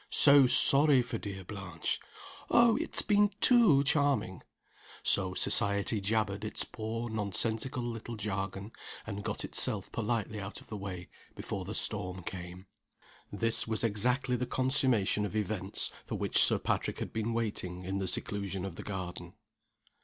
"So sorry for dear Blanche!" "Oh, it's been too charming!" So Society jabbered its poor, nonsensical little jargon, and got itself politely out of the way before the storm came. This was exactly the consummation of events for which Sir Patrick had been waiting in the seclusion of the garden.